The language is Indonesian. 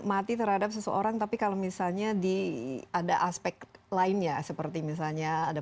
mati terhadap seseorang tapi kalau misalnya di ada aspek lainnya seperti misalnya ada